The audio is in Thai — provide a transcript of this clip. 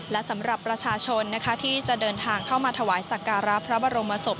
และสำหรับประชาชนนะคะที่จะเดินทางเข้ามาถวายสักการะพระบรมศพ